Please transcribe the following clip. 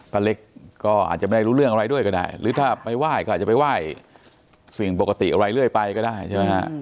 เล็กก็อาจจะไม่ได้รู้เรื่องอะไรด้วยก็ได้หรือถ้าไปไหว้ก็อาจจะไปไหว้สิ่งปกติอะไรเรื่อยไปก็ได้ใช่ไหมฮะ